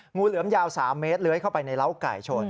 งูเหลือมยาว๓เมตรเลื้อยเข้าไปในเล้าไก่ชน